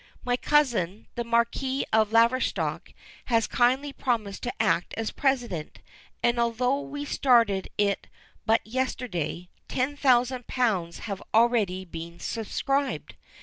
My cousin, the Marquis of Laverstock, has kindly promised to act as president, and, although we started it but yesterday, ten thousand pounds have already been subscribed.